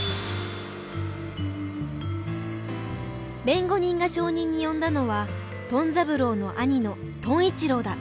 弁護人が証人に呼んだのはトン三郎の兄のトン一郎だ。